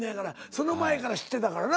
その前から知ってたからな。